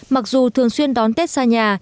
mặc dù thường xuyên đón tết xa nhà